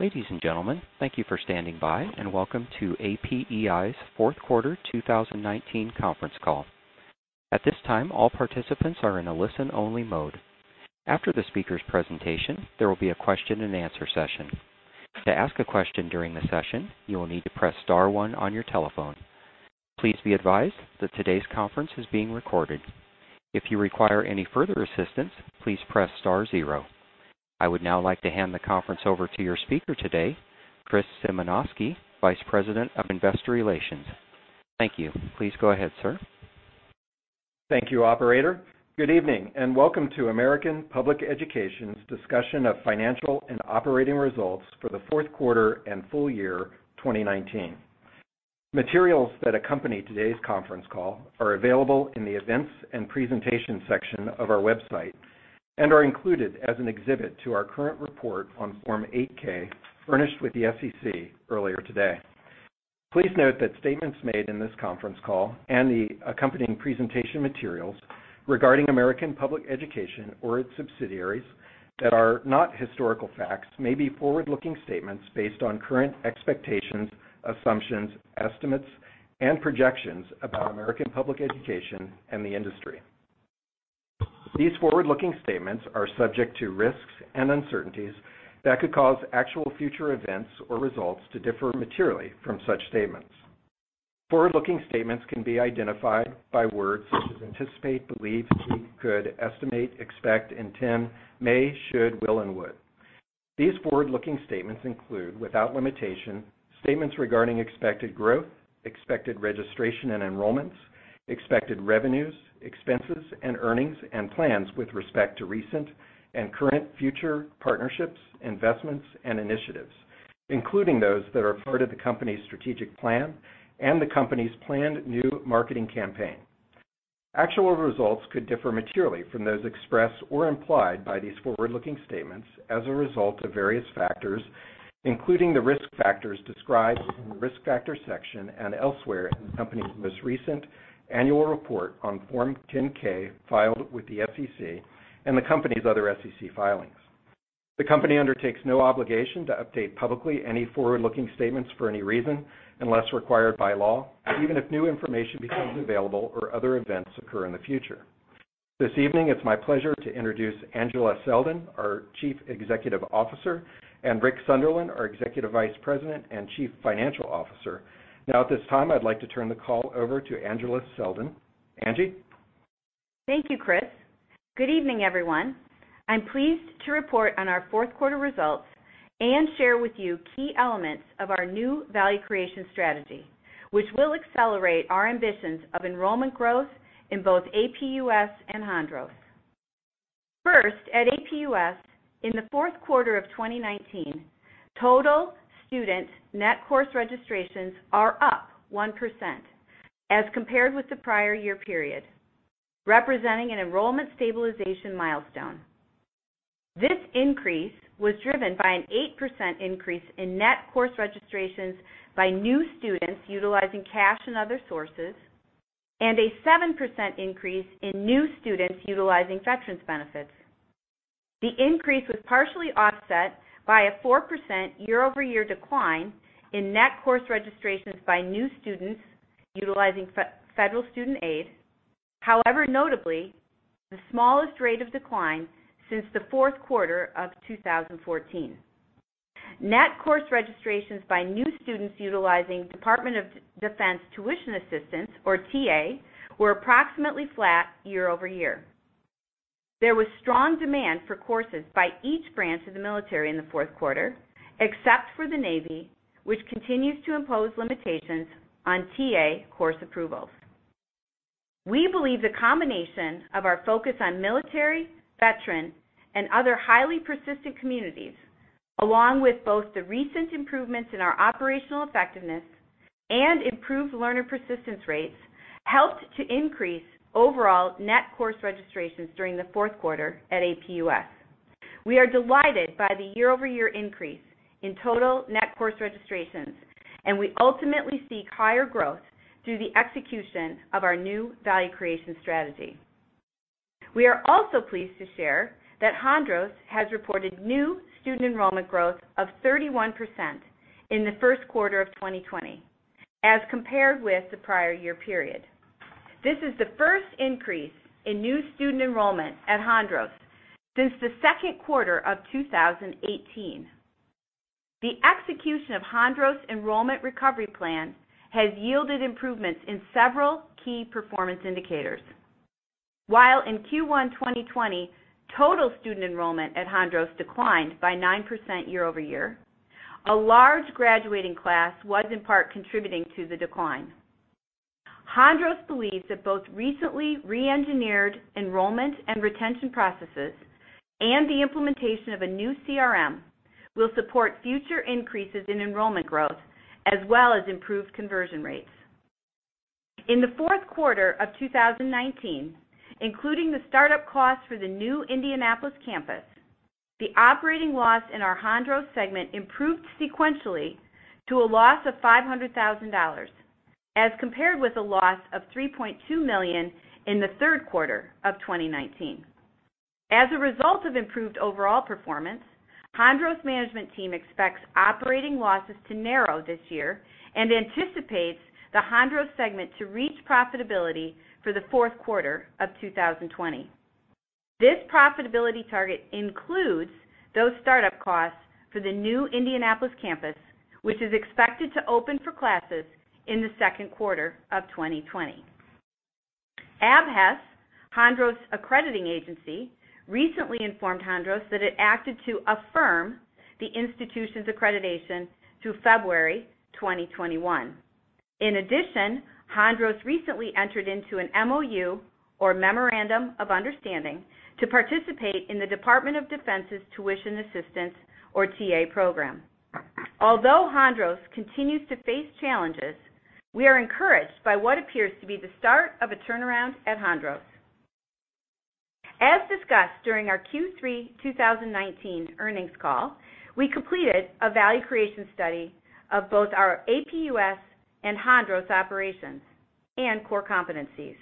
Ladies and gentlemen, thank you for standing by and welcome to APEI's Q4 2019 conference call. At this time, all participants are in a listen-only mode. After the speaker's presentation, there will be a question and answer session. To ask a question during the session, you will need to press star one on your telephone. Please be advised that today's conference is being recorded. If you require any further assistance, please press star zero. I would now like to hand the conference over to your speaker today, Christopher Symanoskie, Vice President of Investor Relations. Thank you. Please go ahead, sir. Thank you, operator. Good evening, and welcome to American Public Education's discussion of financial and operating results for the Q4 and full year 2019. Materials that accompany today's conference call are available in the Events and Presentation section of our website and are included as an exhibit to our current report on Form 8-K, furnished with the SEC earlier today. Please note that statements made in this conference call and the accompanying presentation materials regarding American Public Education or its subsidiaries that are not historical facts may be forward-looking statements based on current expectations, assumptions, estimates, and projections about American Public Education and the industry. These forward-looking statements are subject to risks and uncertainties that could cause actual future events or results to differ materially from such statements. Forward-looking statements can be identified by words such as anticipate, believe, can, could, estimate, expect, intend, may, should, will, and would. These forward-looking statements include, without limitation, statements regarding expected growth, expected registration and enrollments, expected revenues, expenses, and earnings, and plans with respect to recent and current future partnerships, investments, and initiatives, including those that are part of the company's strategic plan and the company's planned new marketing campaign. Actual results could differ materially from those expressed or implied by these forward-looking statements as a result of various factors, including the risk factors described in the Risk Factor section and elsewhere in the company's most recent annual report on Form 10-K filed with the SEC and the company's other SEC filings. The company undertakes no obligation to update publicly any forward-looking statements for any reason, unless required by law, even if new information becomes available or other events occur in the future. This evening, it's my pleasure to introduce Angela Selden, our Chief Executive Officer, and Richard Sunderland, our Executive Vice President and Chief Financial Officer. At this time, I'd like to turn the call over to Angela Selden. Angela? Thank you, Christopher. Good evening, everyone. I'm pleased to report on our Q4 results and share with you key elements of our new value creation strategy, which will accelerate our ambitions of enrollment growth in both APUS and Hondros. First, at APUS, in the Q4 of 2019, total student net course registrations are up 1% as compared with the prior year period, representing an enrollment stabilization milestone. This increase was driven by an 8% increase in net course registrations by new students utilizing cash and other sources and a 7% increase in new students utilizing veterans benefits. The increase was partially offset by a 4% year-over-year decline in net course registrations by new students utilizing federal student aid. However, notably, the smallest rate of decline since the Q4 of 2014. Net course registrations by new students utilizing Department of Defense Tuition Assistance, or TA, were approximately flat year-over-year. There was strong demand for courses by each branch of the military in the Q4, except for the Navy, which continues to impose limitations on TA course approvals. We believe the combination of our focus on military, veteran, and other highly persistent communities, along with both the recent improvements in our operational effectiveness and improved learner persistence rates, helped to increase overall net course registrations during the Q4 at APUS. We are delighted by the year-over-year increase in total net course registrations, and we ultimately seek higher growth through the execution of our new value creation strategy. We are also pleased to share that Hondros has reported new student enrollment growth of 31% in the Q1 of 2020 as compared with the prior year period. This is the first increase in new student enrollment at Hondros since the Q2 of 2018. The execution of Hondros' enrollment recovery plan has yielded improvements in several key performance indicators. While in Q1 2020, total student enrollment at Hondros declined by 9% year-over-year, a large graduating class was in part contributing to the decline. Hondros believes that both recently re-engineered enrollment and retention processes and the implementation of a new CRM will support future increases in enrollment growth as well as improved conversion rates. In the Q4 of 2019, including the startup cost for the new Indianapolis campus, the operating loss in our Hondros segment improved sequentially to a loss of $500,000, as compared with a loss of $3.2 million in the Q3 of 2019. As a result of improved overall performance, Hondros' management team expects operating losses to narrow this year and anticipates the Hondros segment to reach profitability for the Q4 of 2020. This profitability target includes those startup costs for the new Indianapolis campus, which is expected to open for classes in the Q2 of 2020. ABHES, Hondros' accrediting agency, recently informed Hondros that it acted to affirm the institution's accreditation to February 2021. In addition, Hondros recently entered into an MOU, or Memorandum of Understanding, to participate in the Department of Defense's Tuition Assistance, or TA program. Although Hondros continues to face challenges, we are encouraged by what appears to be the start of a turnaround at Hondros. As discussed during our Q3 2019 earnings call, we completed a value creation study of both our APUS and Hondros operations and core competencies.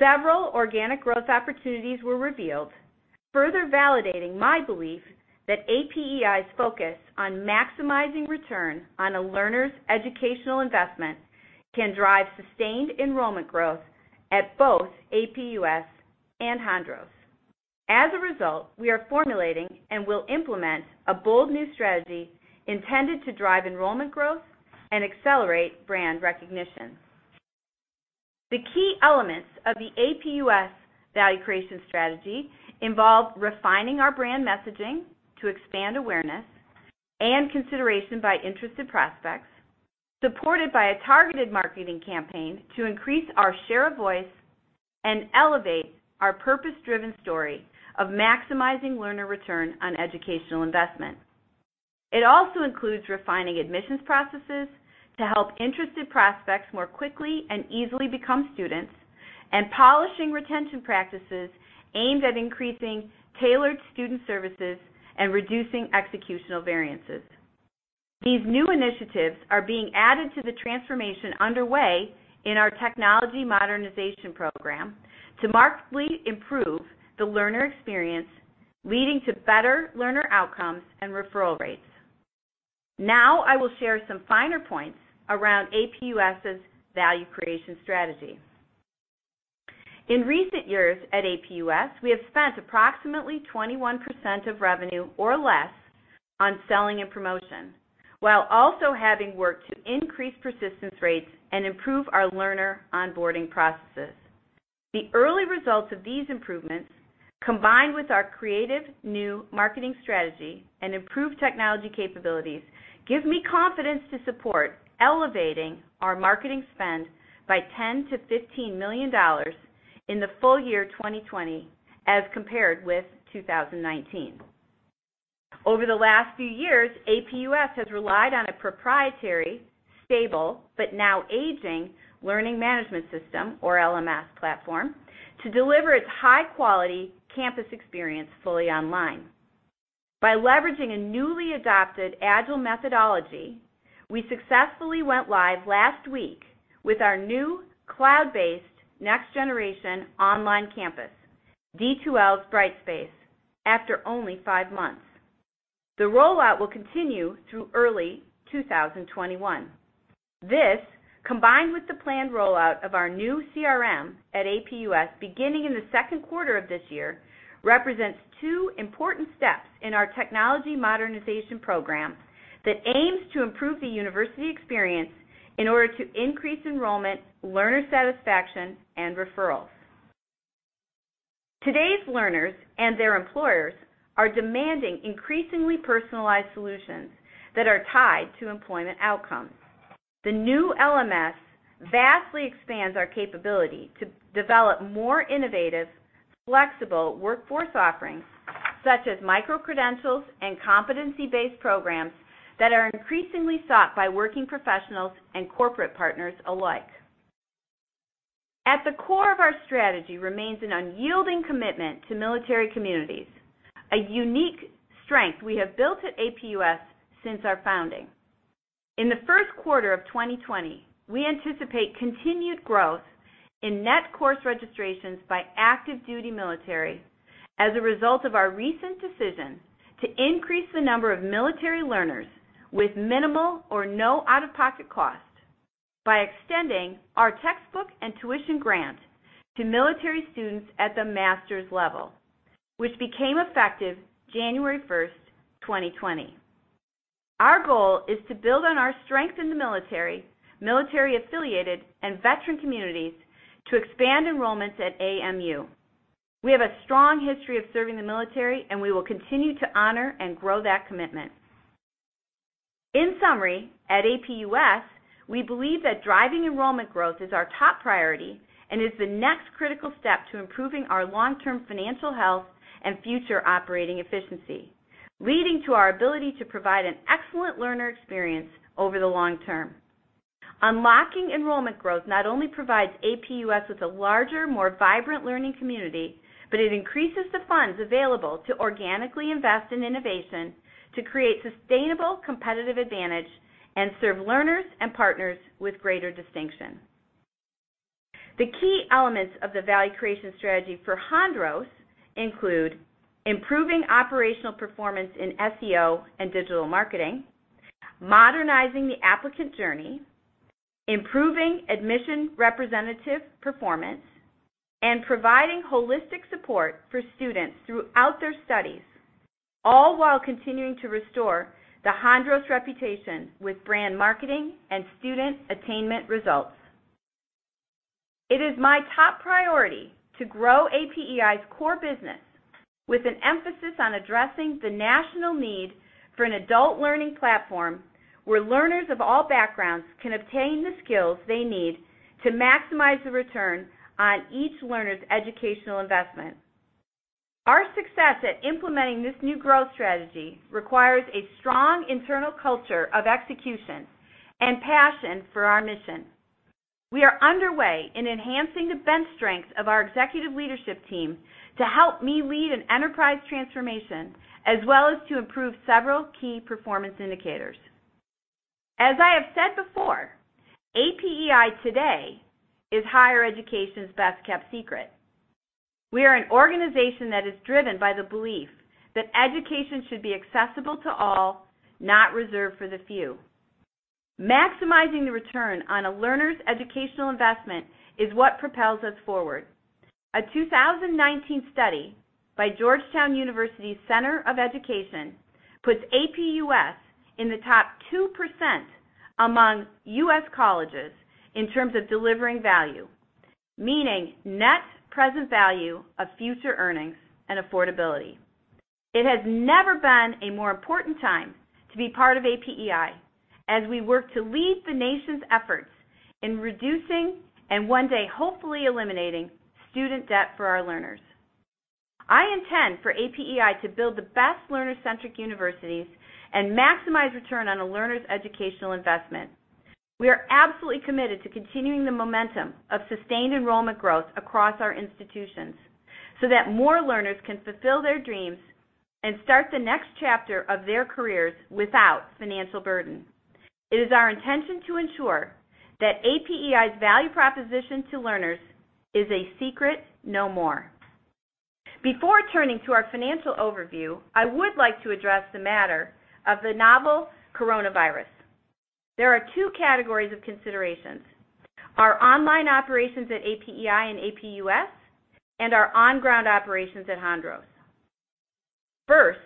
Several organic growth opportunities were revealed, further validating my belief that APEI's focus on maximizing return on a learner's educational investment can drive sustained enrollment growth at both APUS and Hondros. We are formulating and will implement a bold new strategy intended to drive enrollment growth and accelerate brand recognition. The key elements of the APUS value creation strategy involve refining our brand messaging to expand awareness and consideration by interested prospects, supported by a targeted marketing campaign to increase our share of voice and elevate our purpose-driven story of maximizing learner return on educational investment. It also includes refining admissions processes to help interested prospects more quickly and easily become students, and polishing retention practices aimed at increasing tailored student services and reducing executional variances. These new initiatives are being added to the transformation underway in our technology modernization program to markedly improve the learner experience, leading to better learner outcomes and referral rates. I will share some finer points around APUS's value creation strategy. In recent years at APUS, we have spent approximately 21% of revenue or less on selling and promotion, while also having worked to increase persistence rates and improve our learner onboarding processes. The early results of these improvements, combined with our creative new marketing strategy and Improved technology capabilities, give me confidence to support elevating our marketing spend by $10 million-$15 million in the full year 2020 as compared with 2019. Over the last few years, APUS has relied on a proprietary, stable, but now aging learning management system, or LMS platform, to deliver its high-quality campus experience fully online. By leveraging a newly adopted agile methodology, we successfully went live last week with our new cloud-based next-generation online campus, D2L's Brightspace, after only five months. The rollout will continue through early 2021. This, combined with the planned rollout of our new CRM at APUS beginning in the Q2 of this year, represents two important steps in our technology modernization program that aims to improve the university experience in order to increase enrollment, learner satisfaction, and referrals. Today's learners and their employers are demanding increasingly personalized solutions that are tied to employment outcomes. The new LMS vastly expands our capability to develop more innovative, flexible workforce offerings, such as microcredentials and competency-based programs that are increasingly sought by working professionals and corporate partners alike. At the core of our strategy remains an unyielding commitment to military communities, a unique strength we have built at APUS since our founding. In the Q1 of 2020, we anticipate continued growth in net course registrations by active duty military as a result of our recent decision to increase the number of military learners with minimal or no out-of-pocket cost by extending our textbook and tuition grant to military students at the master's level, which became effective January 1st, 2020. Our goal is to build on our strength in the military-affiliated, and veteran communities to expand enrollments at AMU. We have a strong history of serving the military, and we will continue to honor and grow that commitment. In summary, at APUS, we believe that driving enrollment growth is our top priority and is the next critical step to improving our long-term financial health and future operating efficiency, leading to our ability to provide an excellent learner experience over the long term. Unlocking enrollment growth not only provides APUS with a larger, more vibrant learning community, but it increases the funds available to organically invest in innovation to create sustainable competitive advantage and serve learners and partners with greater distinction. The key elements of the value creation strategy for Hondros include improving operational performance in SEO and digital marketing, modernizing the applicant journey, improving admission representative performance, and providing holistic support for students throughout their studies, all while continuing to restore the Hondros reputation with brand marketing and student attainment results. It is my top priority to grow APEI's core business with an emphasis on addressing the national need for an adult learning platform where learners of all backgrounds can obtain the skills they need to maximize the return on each learner's educational investment. Our success at implementing this new growth strategy requires a strong internal culture of execution and passion for our mission. We are underway in enhancing the bench strength of our executive leadership team to help me lead an enterprise transformation as well as to improve several key performance indicators. As I have said before, APEI today is higher education's best-kept secret. We are an organization that is driven by the belief that education should be accessible to all, not reserved for the few. Maximizing the return on a learner's educational investment is what propels us forward. A 2019 study by Georgetown University's Center on Education and the Workforce puts APUS in the top 2% among U.S. colleges in terms of delivering value, meaning net present value of future earnings and affordability. It has never been a more important time to be part of APEI as we work to lead the nation's efforts in reducing, and one day hopefully eliminating, student debt for our learners. I intend for APEI to build the best learner-centric universities and maximize return on a learner's educational investment. We are absolutely committed to continuing the momentum of sustained enrollment growth across our institutions so that more learners can fulfill their dreams and start the next chapter of their careers without financial burden. It is our intention to ensure that APEI's value proposition to learners is a secret no more. Before turning to our financial overview, I would like to address the matter of the novel coronavirus. There are two categories of considerations, our online operations at APEI and APUS, and our on-ground operations at Hondros. First,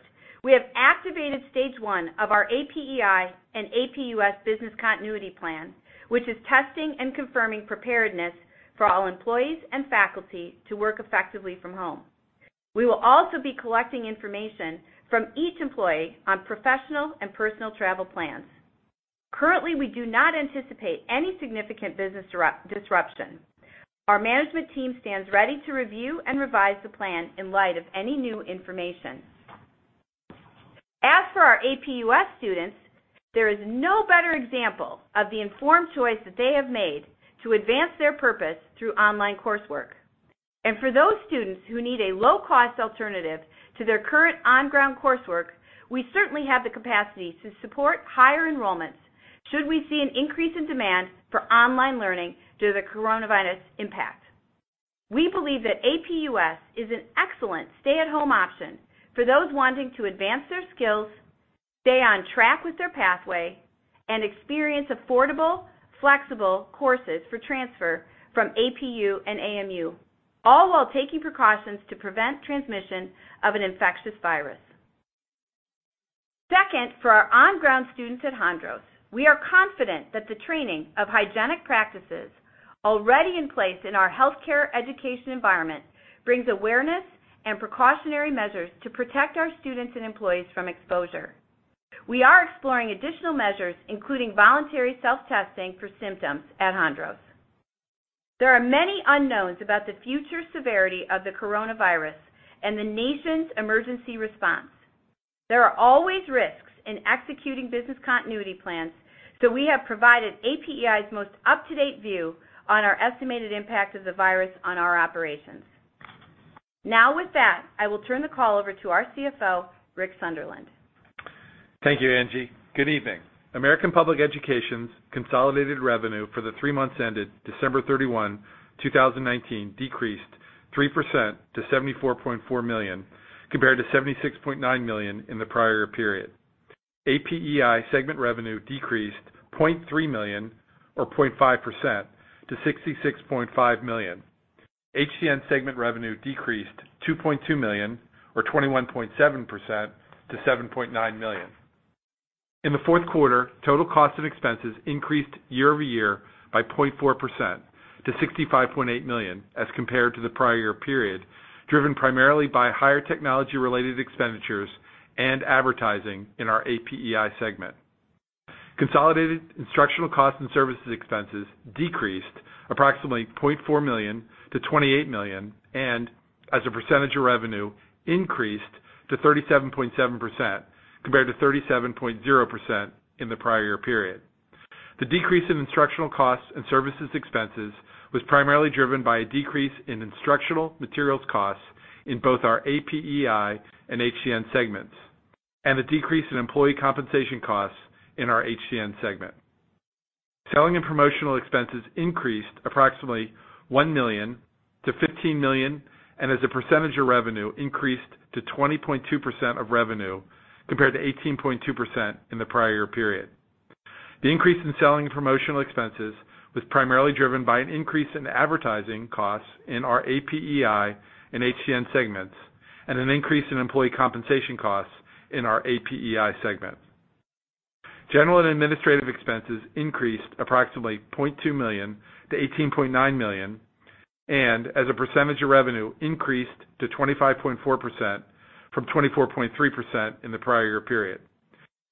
we have activated stage one of our APEI and APUS business continuity plan, which is testing and confirming preparedness for all employees and faculty to work effectively from home. We will also be collecting information from each employee on professional and personal travel plans. Currently, we do not anticipate any significant business disruption. Our management team stands ready to review and revise the plan in light of any new information. As for our APUS students, there is no better example of the informed choice that they have made to advance their purpose through online coursework. For those students who need a low-cost alternative to their current on-ground coursework, we certainly have the capacity to support higher enrollments should we see an increase in demand for online learning due to the coronavirus impact. We believe that APUS is an excellent stay-at-home option for those wanting to advance their skills, stay on track with their pathway, and experience affordable, flexible courses for transfer from APU and AMU, all while taking precautions to prevent transmission of an infectious virus. Second, for our on-ground students at Hondros, we are confident that the training of hygienic practices already in place in our healthcare education environment brings awareness and precautionary measures to protect our students and employees from exposure. We are exploring additional measures, including voluntary self-testing for symptoms at Hondros. There are many unknowns about the future severity of the coronavirus and the nation's emergency response. There are always risks in executing business continuity plans, so we have provided APEI's most up-to-date view on our estimated impact of the virus on our operations. I will turn the call over to our CFO, Richard Sunderland. Thank you, Angela. Good evening. American Public Education's consolidated revenue for the three months ended December 31st, 2019, decreased 3% to $74.4 million, compared to $76.9 million in the prior period. APEI segment revenue decreased $0.3 million, or 0.5%, to $66.5 million. HCN segment revenue decreased $2.2 million, or 21.7%, to $7.9 million. In the Q4, total costs and expenses increased year-over-year by 0.4% to $65.8 million as compared to the prior period, driven primarily by higher technology-related expenditures and advertising in our APEI segment. Consolidated instructional costs and services expenses decreased approximately $0.4 million-$28 million, and as a percentage of revenue, increased to 37.7% compared to 37.0% in the prior period. The decrease in instructional costs and services expenses was primarily driven by a decrease in instructional materials costs in both our APEI and HCN segments. The decrease in employee compensation costs in our HCN segment. Selling and promotional expenses increased approximately $1 million-$15 million, and as a percentage of revenue, increased to 20.2% of revenue, compared to 18.2% in the prior period. The increase in selling and promotional expenses was primarily driven by an increase in advertising costs in our APEI and HCN segments, and an increase in employee compensation costs in our APEI segment. General and administrative expenses increased approximately $0.2 million-$18.9 million, and as a percentage of revenue, increased to 25.4% from 24.3% in the prior year period.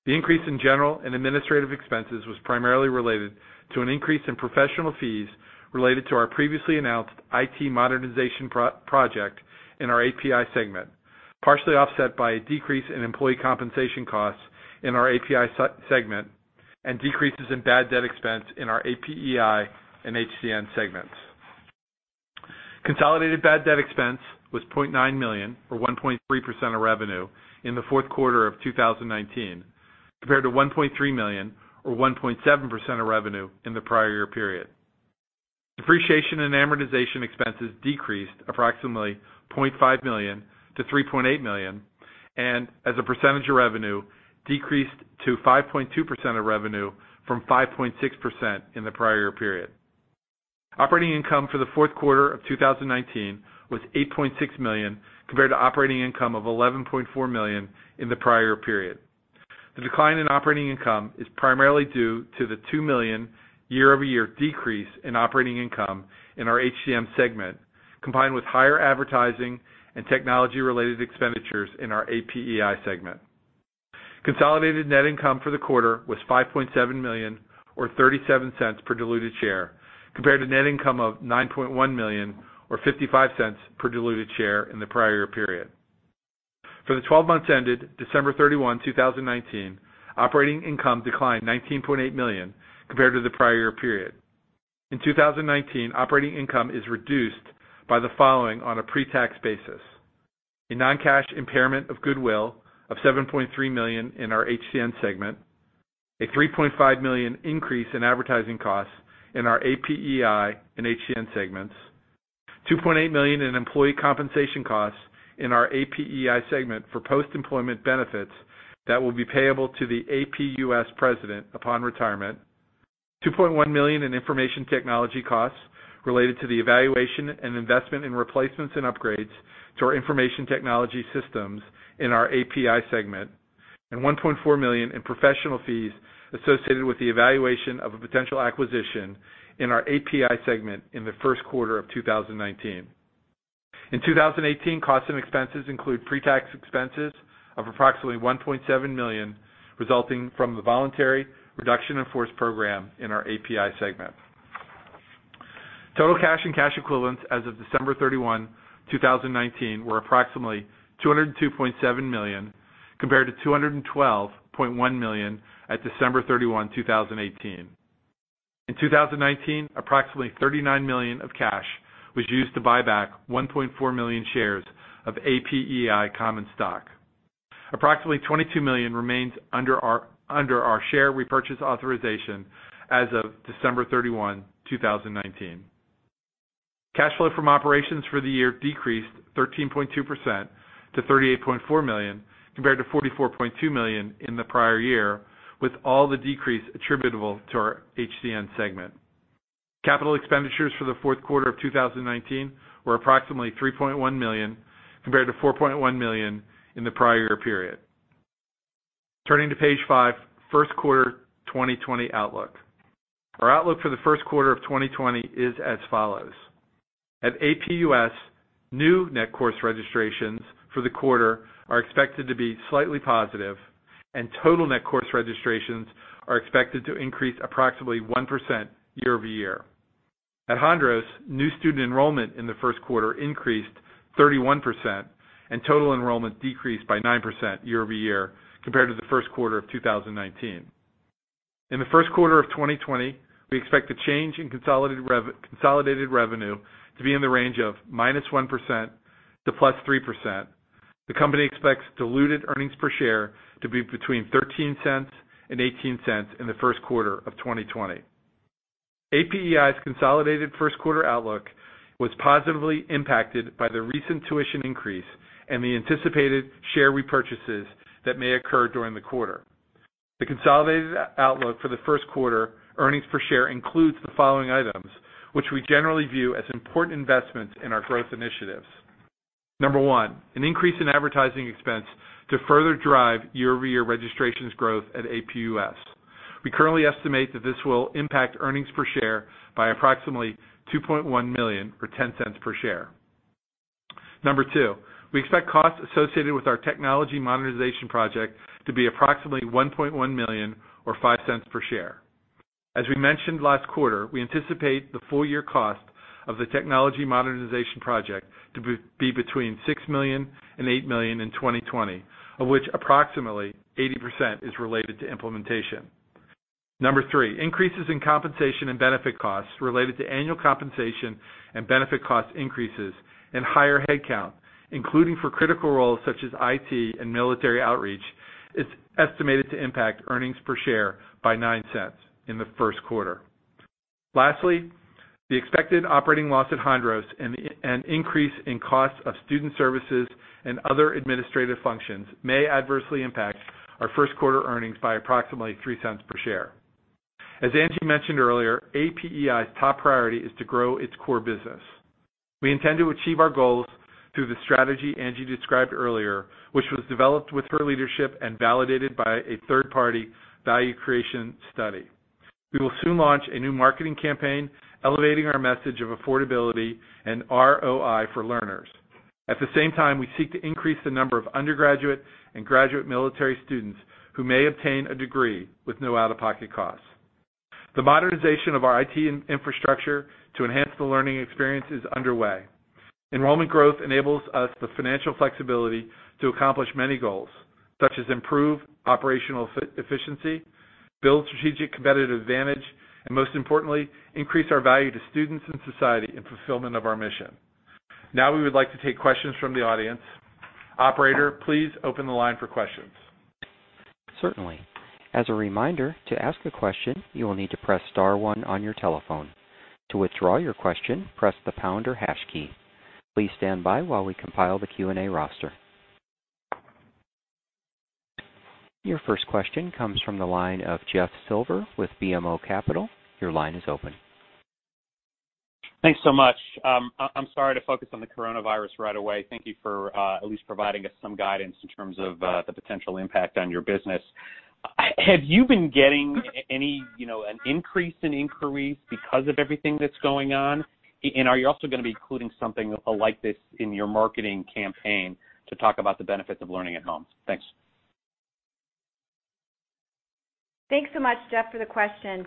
The increase in general and administrative expenses was primarily related to an increase in professional fees related to our previously announced IT modernization project in our APEI segment, partially offset by a decrease in employee compensation costs in our APEI segment, and decreases in bad debt expense in our APEI and HCN segments. Consolidated bad debt expense was $0.9 million, or 1.3% of revenue, in the Q4 of 2019, compared to $1.3 million, or 1.7% of revenue in the prior year period. Depreciation and amortization expenses decreased approximately $0.5 million-$3.8 million, and as a percentage of revenue, decreased to 5.2% of revenue from 5.6% in the prior year period. Operating income for the Q4 of 2019 was $8.6 million, compared to operating income of $11.4 million in the prior period. The decline in operating income is primarily due to the $2 million year-over-year decrease in operating income in our HCN segment, combined with higher advertising and technology-related expenditures in our APEI segment. Consolidated net income for the quarter was $5.7 million, or $0.37 per diluted share, compared to net income of $9.1 million, or $0.55 per diluted share in the prior period. For the 12 months ended December 31st, 2019, operating income declined $19.8 million compared to the prior year period. In 2019, operating income is reduced by the following on a pre-tax basis. A non-cash impairment of goodwill of $7.3 million in our HCN segment, a $3.5 million increase in advertising costs in our APEI and HCN segments, $2.8 million in employee compensation costs in our APEI segment for post-employment benefits that will be payable to the APUS president upon retirement, $2.1 million in information technology costs related to the evaluation and investment in replacements and upgrades to our information technology systems in our APEI segment, and $1.4 million in professional fees associated with the evaluation of a potential acquisition in our APEI segment in the Q1 of 2019. In 2018, costs and expenses include pre-tax expenses of approximately $1.7 million, resulting from the voluntary reduction in force program in our APEI segment. Total cash and cash equivalents as of December 31st, 2019, were approximately $202.7 million, compared to $212.1 million at December 31st, 2018. In 2019, approximately $39 million of cash was used to buy back 1.4 million shares of APEI common stock. Approximately $22 million remains under our share repurchase authorization as of December 31st, 2019. Cash flow from operations for the year decreased 13.2% to $38.4 million, compared to $44.2 million in the prior year, with all the decrease attributable to our HCN segment. Capital expenditures for the Q4 of 2019 were approximately $3.1 million, compared to $4.1 million in the prior year period. Turning to page five, Q1 2020 outlook. Our outlook for the Q1 of 2020 is as follows. At APUS, new net course registrations for the quarter are expected to be slightly positive, and total net course registrations are expected to increase approximately 1% year-over-year. At Hondros, new student enrollment in the Q1 increased 31%, and total enrollment decreased by 9% year-over-year compared to the Q1 of 2019. In the Q1 of 2020, we expect the change in consolidated revenue to be in the range of -1% to +3%. The company expects diluted earnings per share to be between $0.13 and $0.18 in the Q1 of 2020. APEI's consolidated Q1 outlook was positively impacted by the recent tuition increase and the anticipated share repurchases that may occur during the quarter. The consolidated outlook for the Q1 earnings per share includes the following items, which we generally view as important investments in our growth initiatives. Number one, an increase in advertising expense to further drive year-over-year registrations growth at APUS. We currently estimate that this will impact earnings per share by approximately $2.1 million, or $0.10 per share. Number two, we expect costs associated with our technology modernization project to be approximately $1.1 million, or $0.05 per share. As we mentioned last quarter, we anticipate the full year cost of the technology modernization project to be between $6 million and $8 million in 2020, of which approximately 80% is related to implementation. Number three, increases in compensation and benefit costs related to annual compensation and benefit cost increases and higher headcount, including for critical roles such as IT and military outreach, is estimated to impact earnings per share by $0.09 in the Q1. Lastly, the expected operating loss at Hondros and an increase in cost of student services and other administrative functions may adversely impact our Q1 earnings by approximately $0.03 per share. As Angela mentioned earlier, APEI's top priority is to grow its core business. We intend to achieve our goals through the strategy Angela described earlier, which was developed with her leadership and validated by a third-party value creation study. We will soon launch a new marketing campaign elevating our message of affordability and ROI for learners. At the same time, we seek to increase the number of undergraduate and graduate military students who may obtain a degree with no out-of-pocket costs. The modernization of our IT infrastructure to enhance the learning experience is underway. Enrollment growth enables us the financial flexibility to accomplish many goals, such as improve operational efficiency, build strategic competitive advantage, and most importantly, increase our value to students and society in fulfillment of our mission. We would like to take questions from the audience. Operator, please open the line for questions. Certainly. As a reminder, to ask a question, you will need to press star one on your telephone. To withdraw your question, press the pound or hash key. Please stand by while we compile the Q&A roster. Your first question comes from the line of Jeffrey Silber with BMO Capital Markets. Your line is open. Thanks so much. I'm sorry to focus on the coronavirus right away. Thank you for at least providing us some guidance in terms of the potential impact on your business. Have you been getting an increase in inquiries because of everything that's going on? Are you also going to be including something like this in your marketing campaign to talk about the benefits of learning at home? Thanks. Thanks so much, Jeffrey, for the question.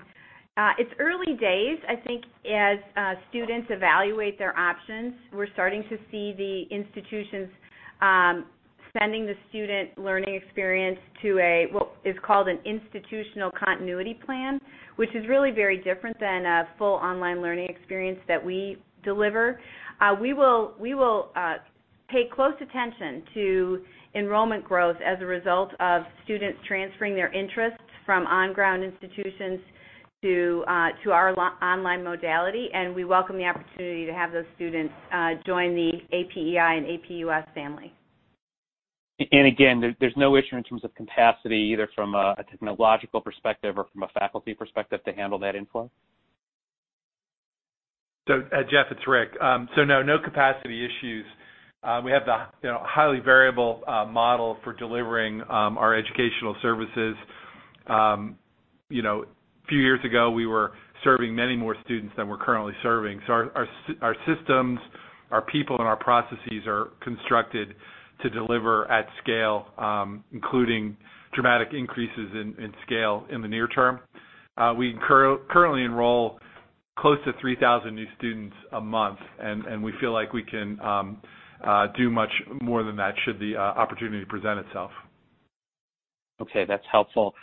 It's early days. I think as students evaluate their options, we're starting to see the institutions sending the student learning experience to what is called an institutional continuity plan, which is really very different than a full online learning experience that we deliver. We will pay close attention to enrollment growth as a result of students transferring their interests from on-ground institutions to our online modality, and we welcome the opportunity to have those students join the APEI and APUS family. Again, there's no issue in terms of capacity, either from a technological perspective or from a faculty perspective to handle that inflow? Jeffrey, it's Richard. No capacity issues. We have the highly variable model for delivering our educational services. A few years ago, we were serving many more students than we're currently serving. Our systems, our people, and our processes are constructed to deliver at scale, including dramatic increases in scale in the near term. We currently enroll close to 3,000 new students a month, and we feel like we can do much more than that should the opportunity present itself. Okay. That's helpful.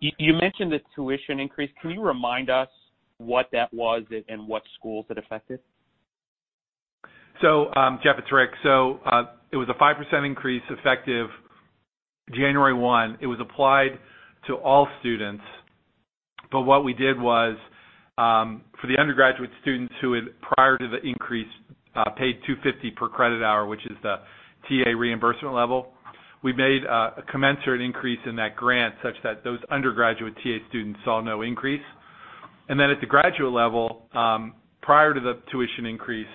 You mentioned the tuition increase. Can you remind us what that was and what schools it affected? Jeffrey, it's Richard. It was a 5% increase effective January 1st. It was applied to all students, what we did was, for the undergraduate students who had, prior to the increase, paid $250 per credit hour, which is the TA reimbursement level, we made a commensurate increase in that grant such that those undergraduate TA students saw no increase. At the graduate level, prior to the tuition increase,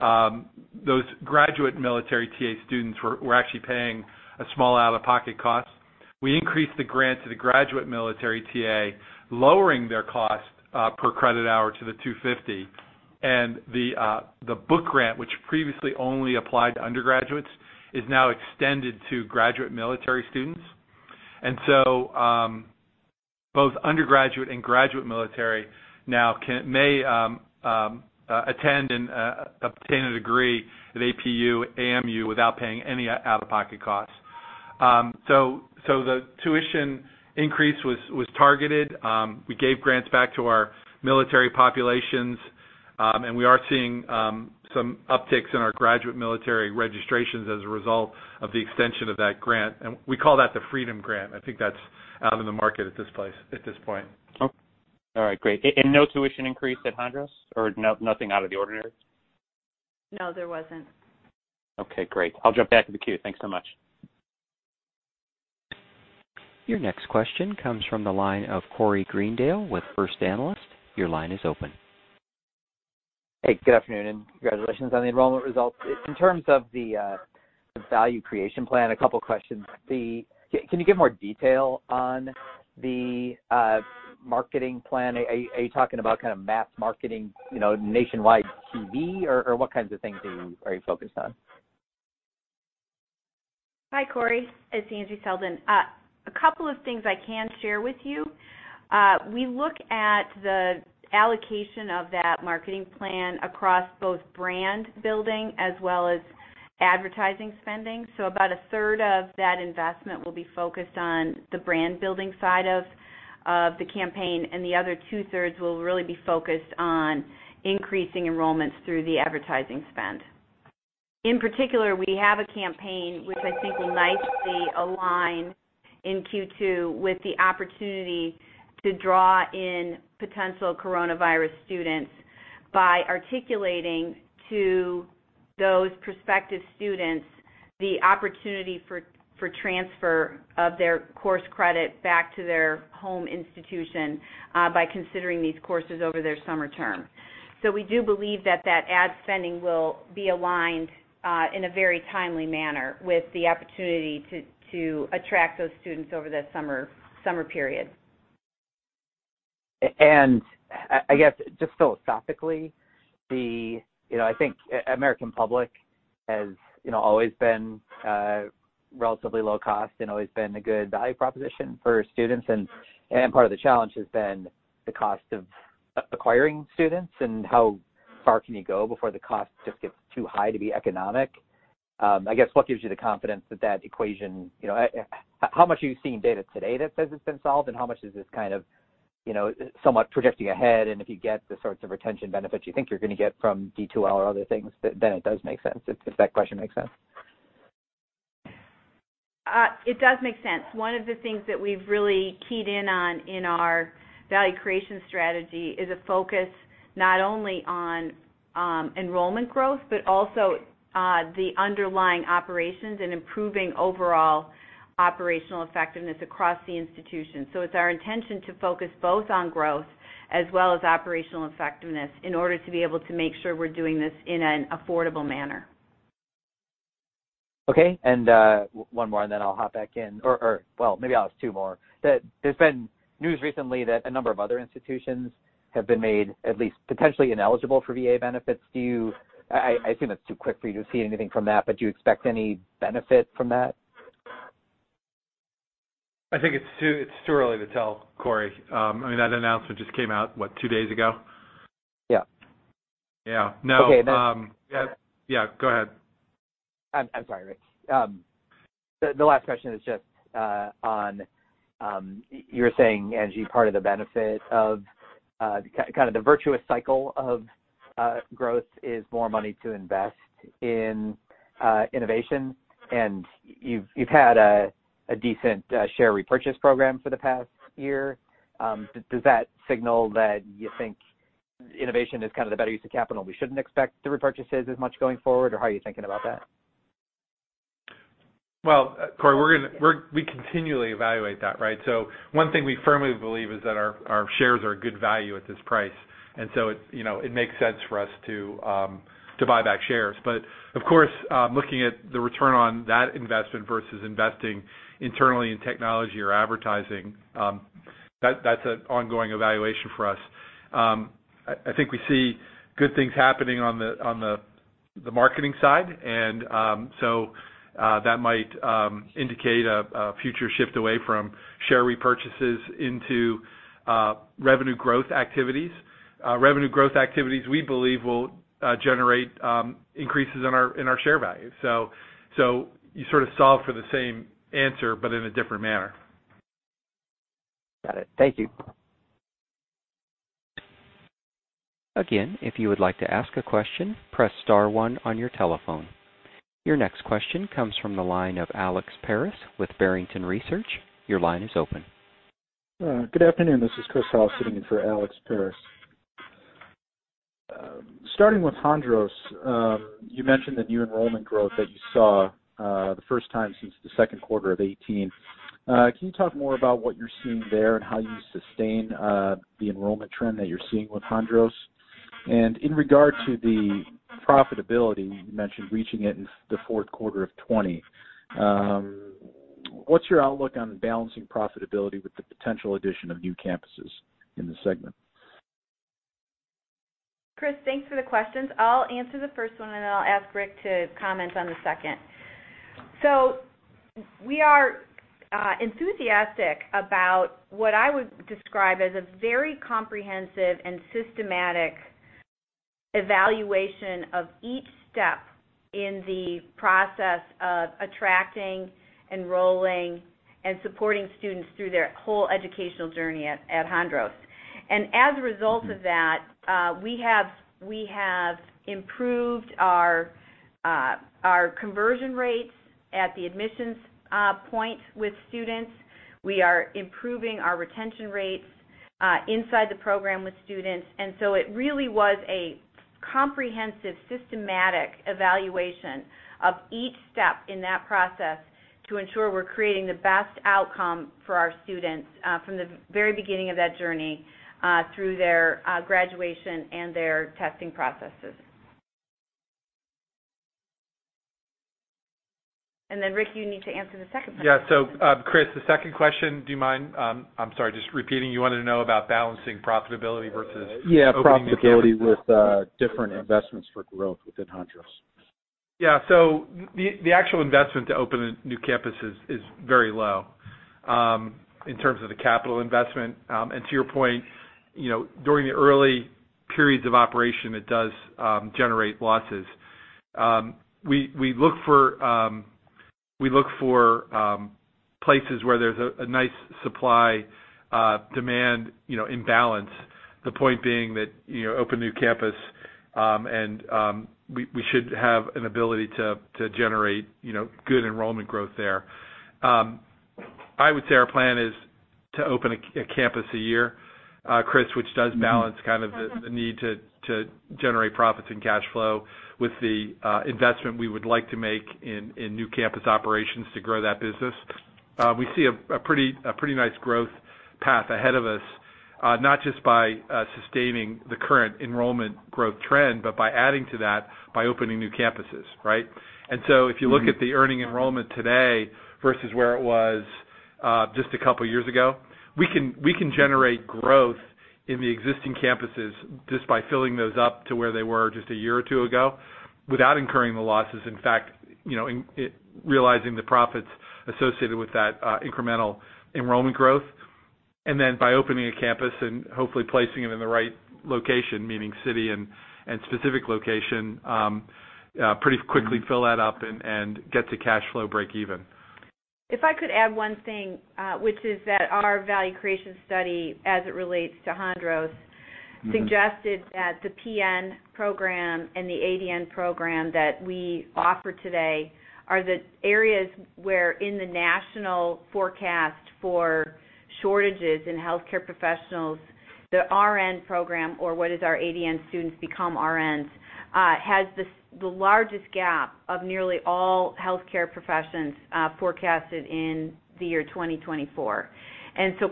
those graduate military TA students were actually paying a small out-of-pocket cost. We increased the grant to the graduate military TA, lowering their cost per credit hour to the $250. The book grant, which previously only applied to undergraduates, is now extended to graduate military students. Both undergraduate and graduate military now may attend and obtain a degree at APU or AMU without paying any out-of-pocket costs. The tuition increase was targeted. We gave grants back to our military populations, and we are seeing some upticks in our graduate military registrations as a result of the extension of that grant. We call that the Freedom Grant. I think that's out in the market at this point. All right, great. No tuition increase at Hondros? Nothing out of the ordinary? No, there wasn't. Okay, great. I'll jump back in the queue. Thanks so much. Your next question comes from the line of Corey Greendale with First Analysis. Your line is open. Hey, good afternoon, and congratulations on the enrollment results. In terms of the value creation plan, a couple questions. Can you give more detail on the marketing plan? Are you talking about kind of mass marketing, nationwide TV, or what kinds of things are you focused on? Hi, Corey. It's Angela Selden. A couple of things I can share with you. We look at the allocation of that marketing plan across both brand building as well as advertising spending. About a third of that investment will be focused on the brand-building side of the campaign, and the other two-thirds will really be focused on increasing enrollments through the advertising spend. In particular, we have a campaign, which I think will nicely align in Q2 with the opportunity to draw in potential coronavirus students by articulating to those prospective students the opportunity for transfer of their course credit back to their home institution by considering these courses over their summer term. We do believe that that ad spending will be aligned in a very timely manner with the opportunity to attract those students over the summer period. I guess, just philosophically, I think American Public has always been relatively low cost and always been a good value proposition for students. Part of the challenge has been the cost of acquiring students and how far can you go before the cost just gets too high to be economic. I guess, what gives you the confidence that that equation, how much are you seeing data today that says it's been solved, and how much is this somewhat projecting ahead, and if you get the sorts of retention benefits you think you're going to get from D2L or other things, then it does make sense? If that question makes sense. It does make sense. One of the things that we've really keyed in on in our value creation strategy is a focus not only on enrollment growth, but also the underlying operations and improving overall operational effectiveness across the institution. It's our intention to focus both on growth as well as operational effectiveness in order to be able to make sure we're doing this in an affordable manner. Okay. One more, then I'll hop back in. Well, maybe I'll ask two more. There's been news recently that a number of other institutions have been made at least potentially ineligible for VA benefits. I assume it's too quick for you to see anything from that, but do you expect any benefit from that? I think it's too early to tell, Corey. I mean, that announcement just came out, what, two days ago? Yeah. Yeah. No. Okay. Yeah. Go ahead. I'm sorry, Richard. The last question is just on, you were saying, Angela, part of the benefit of the virtuous cycle of growth is more money to invest in innovation, and you've had a decent share repurchase program for the past year. Does that signal that you think innovation is the better use of capital? We shouldn't expect the repurchases as much going forward, or how are you thinking about that? Corey, we continually evaluate that, right? One thing we firmly believe is that our shares are a good value at this price, and so it makes sense for us to buy back shares. Of course, looking at the return on that investment versus investing internally in technology or advertising, that's an ongoing evaluation for us. I think we see good things happening on the marketing side, and so that might indicate a future shift away from share repurchases into revenue growth activities. Revenue growth activities, we believe, will generate increases in our share value. You sort of solve for the same answer, but in a different manner. Got it. Thank you. Again, if you would like to ask a question, press star one on your telephone. Your next question comes from the line of Alexander Paris with Barrington Research. Your line is open. Good afternoon. This is Chris Howe sitting in for Alex Paris. Starting with Hondros, you mentioned the new enrollment growth that you saw the first time since the Q2 of 2018. Can you talk more about what you're seeing there and how you sustain the enrollment trend that you're seeing with Hondros? In regard to the profitability, you mentioned reaching it in the Q4 of 2020. What's your outlook on balancing profitability with the potential addition of new campuses in the segment? Chris, thanks for the questions. I'll answer the first one, and then I'll ask Richard to comment on the second. We are enthusiastic about what I would describe as a very comprehensive and systematic evaluation of each step in the process of attracting, enrolling, and supporting students through their whole educational journey at Hondros. As a result of that, we have improved our conversion rates at the admissions point with students. We are improving our retention rates inside the program with students. It really was a comprehensive, systematic evaluation of each step in that process to ensure we're creating the best outcome for our students, from the very beginning of that journey through their graduation and their testing processes. Richard, you need to answer the second part. Yeah. Chris, the second question, do you mind, I'm sorry, just repeating? You wanted to know about balancing profitability versus opening- Yeah, profitability with different investments for growth within Hondros. The actual investment to open a new campus is very low in terms of the capital investment. To your point, during the early periods of operation, it does generate losses. We look for places where there's a nice supply-demand imbalance. The point being that open new campus, we should have an ability to generate good enrollment growth there. I would say our plan is to open a campus a year, Chris, which does balance the need to generate profits and cash flow with the investment we would like to make in new campus operations to grow that business. We see a pretty nice growth path ahead of us, not just by sustaining the current enrollment growth trend, but by adding to that by opening new campuses. Right? If you look at the nursing enrollment today versus where it was just a couple of years ago, we can generate growth in the existing campuses just by filling those up to where they were just a year or two ago without incurring the losses. In fact, realizing the profits associated with that incremental enrollment growth. Then by opening a campus and hopefully placing it in the right location, meaning city and specific location, pretty quickly fill that up and get to cash flow breakeven. If I could add one thing, which is that our value creation study, as it relates to Hondros, suggested that the PN program and the ADN program that we offer today are the areas where, in the national forecast for shortages in healthcare professionals, the RN program, or what is our ADN students become RNs, Has the largest gap of nearly all healthcare professions forecasted in the year 2024.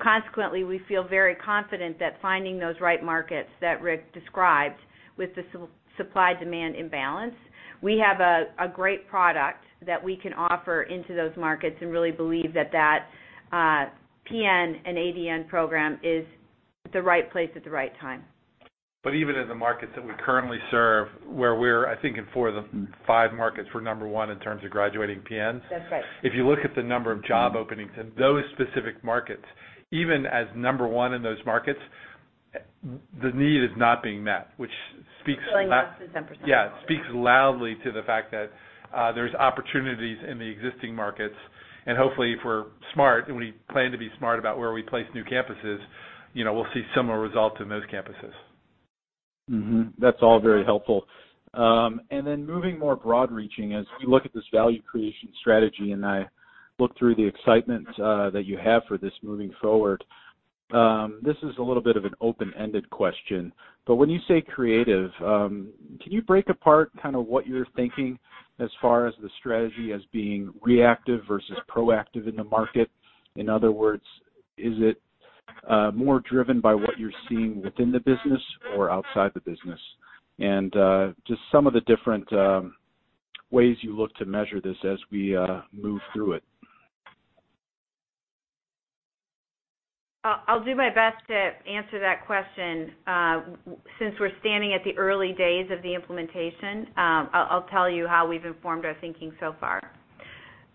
Consequently, we feel very confident that finding those right markets that Richard described with the supply-demand imbalance, we have a great product that we can offer into those markets and really believe that that PN and ADN program is at the right place at the right time. Even in the markets that we currently serve, where we're, I think in four of the five markets, we're number one in terms of graduating PNs. That's right. If you look at the number of job openings in those specific markets, even as number one in those markets, the need is not being met, which speaks- Filling less than 10%. Yeah. It speaks loudly to the fact that there's opportunities in the existing markets, and hopefully, if we're smart, and we plan to be smart about where we place new campuses, we'll see similar results in those campuses. That's all very helpful. Moving more broad-reaching, as we look at this value creation strategy, and I look through the excitement that you have for this moving forward, this is a little bit of an open-ended question. When you say creative, can you break apart what you're thinking as far as the strategy as being reactive versus proactive in the market? In other words, is it more driven by what you're seeing within the business or outside the business? Just some of the different ways you look to measure this as we move through it. I'll do my best to answer that question. Since we're standing at the early days of the implementation, I'll tell you how we've informed our thinking so far.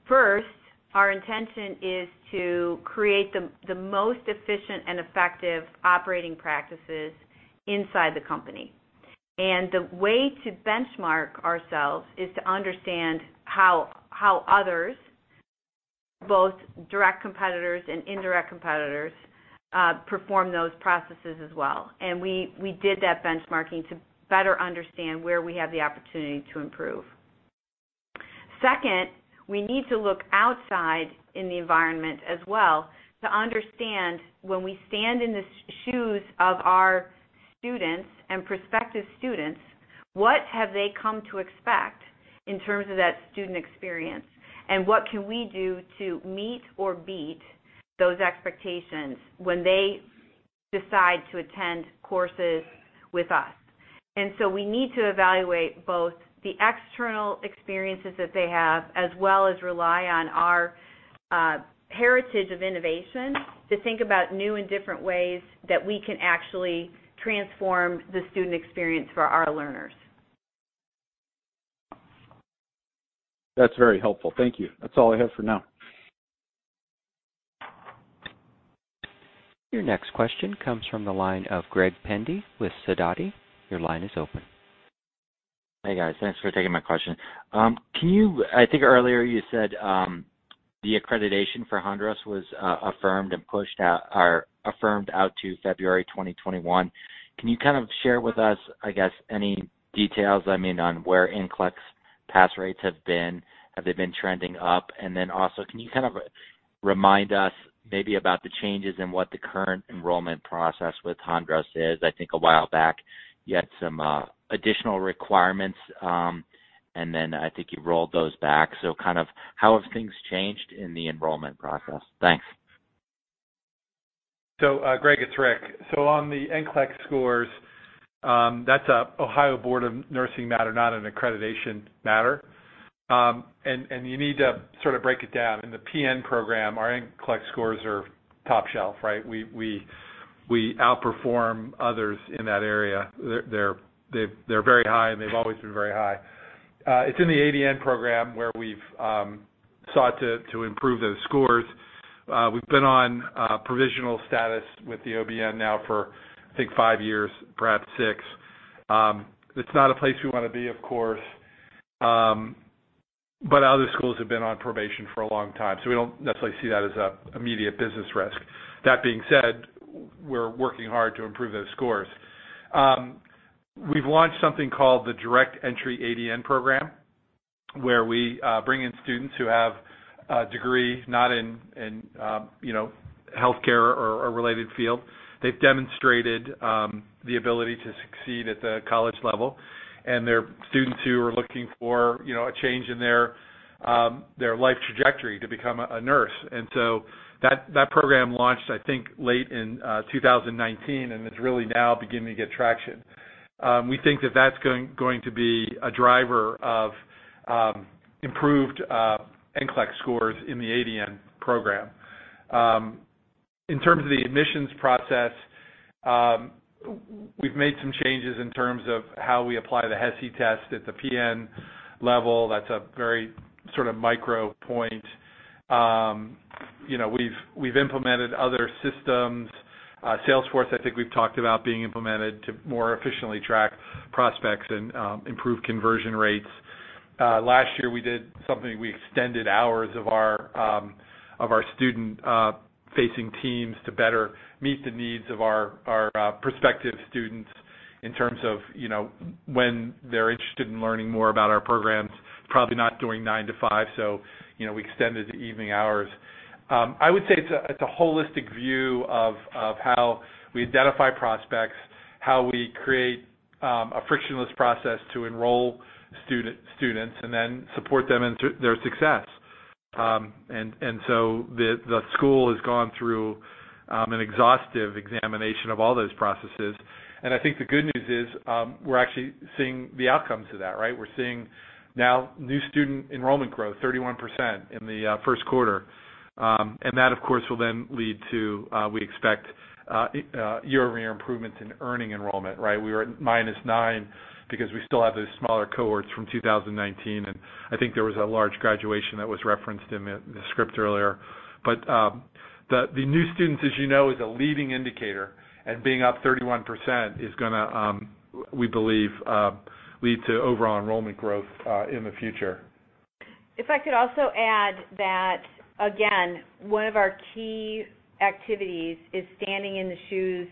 First, our intention is to create the most efficient and effective operating practices inside the company. The way to benchmark ourselves is to understand how others, both direct competitors and indirect competitors, perform those processes as well. We did that benchmarking to better understand where we have the opportunity to improve. Second, we need to look outside in the environment as well to understand when we stand in the shoes of our students and prospective students, what have they come to expect in terms of that student experience, and what can we do to meet or beat those expectations when they decide to attend courses with us? We need to evaluate both the external experiences that they have, as well as rely on our heritage of innovation to think about new and different ways that we can actually transform the student experience for our learners. That's very helpful. Thank you. That's all I have for now. Your next question comes from the line of Gregory Pendy with Sidoti & Company. Your line is open. Hey, guys. Thanks for taking my question. I think earlier you said the accreditation for Hondros was affirmed and pushed out or affirmed out to February 2021. Can you share with us, I guess, any details on where NCLEX pass rates have been? Have they been trending up? Also, can you remind us maybe about the changes in what the current enrollment process with Hondros is? I think a while back, you had some additional requirements, and then I think you rolled those back. How have things changed in the enrollment process? Thanks. Gregory, it's Richard, On the NCLEX scores, that's an Ohio Board of Nursing matter, not an accreditation matter. You need to sort of break it down. In the PN program, our NCLEX scores are top shelf, right? We outperform others in that area. They're very high, and they've always been very high. It's in the ADN program where we've sought to improve those scores. We've been on provisional status with the OBN now for, I think, five years, perhaps six. It's not a place we want to be, of course, but other schools have been on probation for a long time. We don't necessarily see that as an immediate business risk. That being said, we're working hard to improve those scores. We've launched something called the Direct Entry ADN program, where we bring in students who have a degree not in healthcare or a related field. They've demonstrated the ability to succeed at the college level, and they're students who are looking for a change in their life trajectory to become a nurse. That program launched, I think, late in 2019, and it's really now beginning to get traction. We think that that's going to be a driver of improved NCLEX scores in the ADN program. In terms of the admissions process, we've made some changes in terms of how we apply the HESI test at the PN level. That's a very sort of micro point. We've implemented other systems. Salesforce, I think we've talked about being implemented to more efficiently track prospects and improve conversion rates. Last year, we did something, we extended hours of our student-facing teams to better meet the needs of our prospective students in terms of when they're interested in learning more about our programs, probably not during nine to five, so we extended to evening hours. I would say it's a holistic view of how we identify prospects, how we create a frictionless process to enroll students, and then support them in their success. The school has gone through an exhaustive examination of all those processes, and I think the good news is we're actually seeing the outcomes of that, right? We're seeing now new student enrollment growth 31% in the Q1. That, of course, will then lead to, we expect, year-over-year improvements in earning enrollment, right? We were at -9 because we still have those smaller cohorts from 2019. I think there was a large graduation that was referenced in the script earlier. The new students, as you know, is a leading indicator and being up 31% is going to, we believe, lead to overall enrollment growth in the future. If I could also add that, again, one of our key activities is standing in the shoes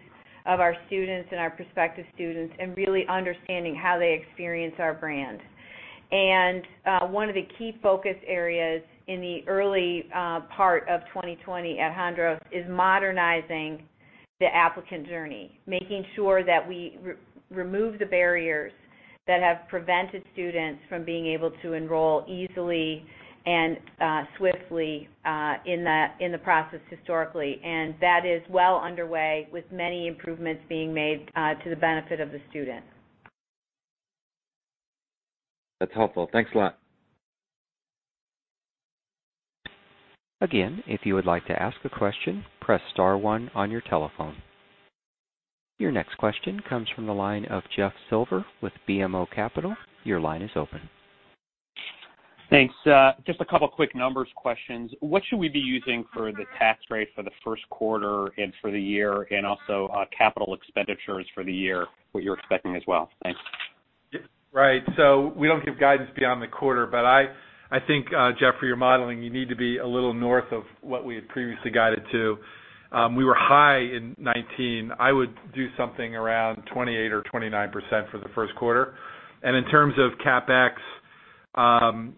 of our students and our prospective students and really understanding how they experience our brand. One of the key focus areas in the early part of 2020 at Hondros is modernizing the applicant journey, Making sure that we remove the barriers that have prevented students from being able to enroll easily and swiftly in the process historically. That is well underway with many improvements being made to the benefit of the student. That's helpful. Thanks a lot. If you would like to ask a question, press star one on your telephone. Your next question comes from the line of Jeffrey Silber with BMO Capital Markets. Your line is open. Thanks. Just a couple quick numbers questions. What should we be using for the tax rate for the Q1 and for the year, and also capital expenditures for the year, what you're expecting as well? Thanks. Right. We don't give guidance beyond the quarter, but I think, Jeffrey, for your modeling, you need to be a little north of what we had previously guided to. We were high in 2019. I would do something around 28% or 29% for the Q1. In terms of CapEx,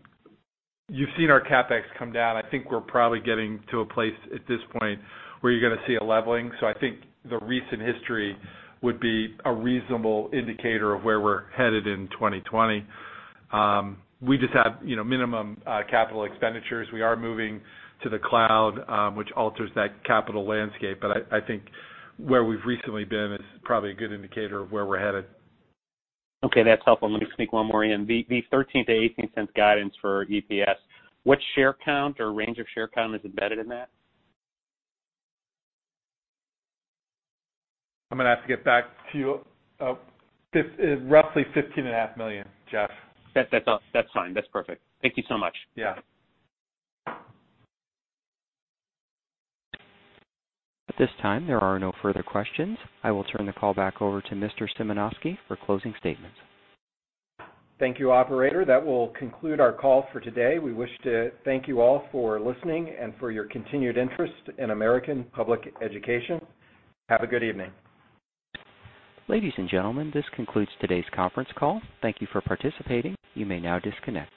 you've seen our CapEx come down. I think we're probably getting to a place at this point where you're going to see a leveling. I think the recent history would be a reasonable indicator of where we're headed in 2020. We just have minimum capital expenditures. We are moving to the cloud, which alters that capital landscape. I think where we've recently been is probably a good indicator of where we're headed. Okay, that's helpful. Let me sneak one more in. The $0.13-$0.18 guidance for EPS, what share count or range of share count is embedded in that? I'm going to have to get back to you. Roughly $15 and a half million, Jeffrey. That's fine. That's perfect. Thank you so much. Yeah. At this time, there are no further questions. I will turn the call back over to Mr. Symanoskie for closing statements. Thank you, operator. That will conclude our call for today. We wish to thank you all for listening and for your continued interest in American Public Education. Have a good evening. Ladies and gentlemen, this concludes today's conference call. Thank you for participating. You may now disconnect.